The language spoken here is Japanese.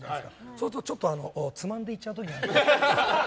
そうすると、ちょっとつまんでいっちゃう時がありますね。